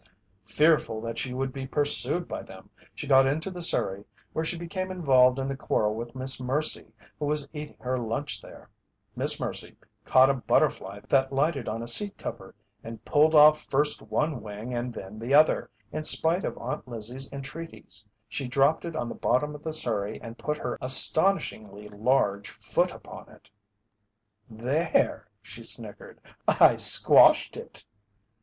Fearful that she would be pursued by them, she got into the surrey, where she became involved in a quarrel with Miss Mercy, who was eating her lunch there. Miss Mercy caught a butterfly that lighted on a seat cover and pulled off first one wing and then the other in spite of Aunt Lizzie's entreaties. She dropped it on the bottom of the surrey and put her astonishingly large foot upon it. "There," she snickered, "I squashed it."